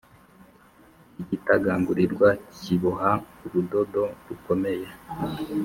igitagangurirwa kiboha urudodo rukomeye